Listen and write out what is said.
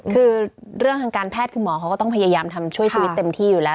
คือเรื่องทางการแพทย์คือหมอเขาก็ต้องพยายามทำช่วยชีวิตเต็มที่อยู่แล้ว